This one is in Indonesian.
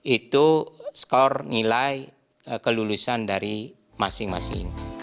itu skor nilai kelulusan dari masing masing